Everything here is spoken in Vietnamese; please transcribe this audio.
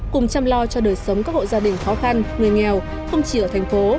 cùng chăm lo cho đời sống các hộ gia đình khó khăn người nghèo không chỉ ở thành phố